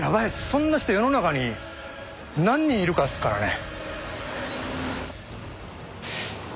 そんな人世の中に何人いるかっすからね。